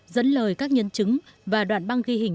dẫn lời các nhân chứng và đoạn băng ghi hình